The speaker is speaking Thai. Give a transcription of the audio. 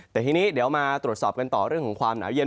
แต่ทีนี้เดี๋ยวมาตรวจสอบกันต่อเรื่องของความหนาวเย็น